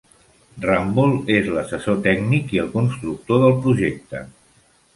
Ramboll és l'assessor tècnic i el constructor del projecte.